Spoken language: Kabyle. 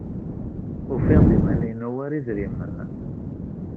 Ufiɣ-d iman-inu war idrimen.